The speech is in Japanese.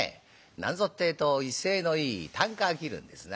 何ぞってえと威勢のいい啖呵切るんですな。